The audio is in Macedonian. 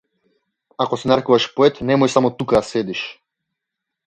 Ако се нарекуваш поет, немој само тука да седиш.